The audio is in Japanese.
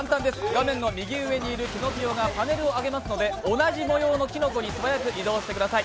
画面の右上にいるピノキオがパネルをあげますので同じ模様のキノコに素早く移動してください。